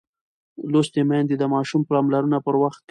لوستې میندې د ماشوم پاملرنه پر وخت کوي.